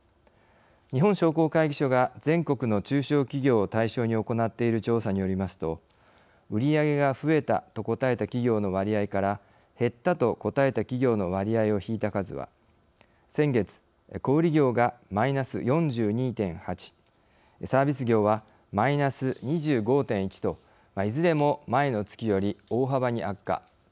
日本商工会議所が全国の中小企業を対象に行っている調査によりますと売り上げが増えたと答えた企業の割合から減ったと答えた企業の割合を引いた数は先月、小売り業がマイナス４２．８サービス業はマイナス２５．１といずれも前の月より大幅に悪化。